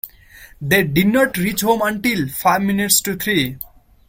They did not reach home until five minutes to three.